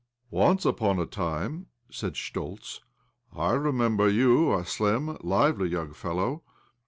" Once upon a time," said Schtoltz, " I remember you a slim', lively young fellow.